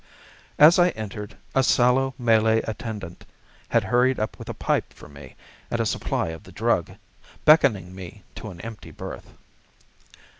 As I entered, a sallow Malay attendant had hurried up with a pipe for me and a supply of the drug, beckoning me to an empty berth.